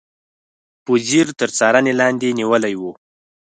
په ځیر تر څارنې لاندې نیولي و.